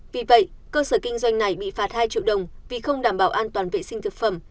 vì vậy cơ sở kinh doanh này bị phạt hai triệu đồng vì không đảm bảo an toàn vệ sinh thực phẩm